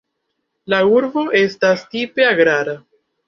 La urbo estas tipe agrara.